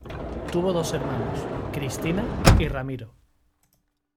Tuvo dos hermanos, Cristina y Ramiro.